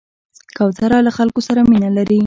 کوتره له خلکو سره مینه لري.